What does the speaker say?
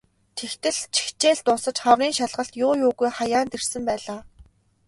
Тэгтэл ч хичээл дуусаж хаврын шалгалт юу юугүй хаяанд ирсэн байлаа.